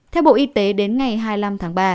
theo bộ y tế đến ngày hai mươi năm tháng ba